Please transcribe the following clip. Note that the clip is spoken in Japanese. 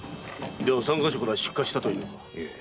では三か所から出火したというのか？